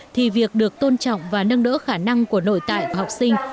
thì việc được tôn trọng và nâng đỡ khả năng của nội tại của học sinh